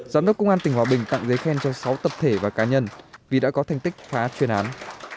giám đốc công an tỉnh hòa bình tặng giấy khen cho sáu tập thể và cá nhân vì đã có thành tích phá chuyên án